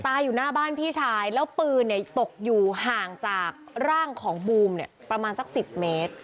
อยู่หน้าบ้านพี่ชายแล้วปืนเนี่ยตกอยู่ห่างจากร่างของบูมเนี่ยประมาณสัก๑๐เมตร